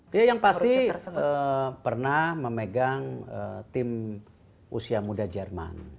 dia yang pasti pernah memegang tim usia muda jerman